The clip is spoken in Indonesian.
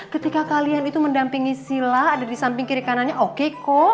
ketika kalian itu mendampingi sila ada di samping kiri kanannya oke kok